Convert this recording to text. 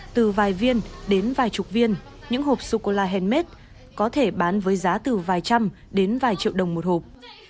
từ vài viên đến vài chục viên những hộp sô cô la handmade có thể bán với giá từ vài trăm đến vài triệu đồng một hộp